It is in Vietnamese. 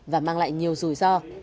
và mang lại nhiều rủi ro